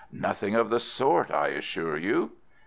"Nothing of the sort, I assure you."